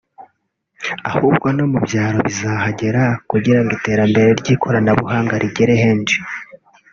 ahubwo no mu byaro rizahagera kugirango iterambere ry’ikoranabuhanga rigere henshi